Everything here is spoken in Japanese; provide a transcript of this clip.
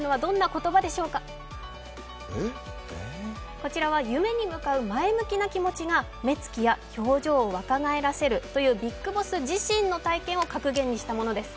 こちらは夢に向かう前向きな気持ちが目つきや表情を若返らせるというビッグボス自身の体験を格言にしたものです。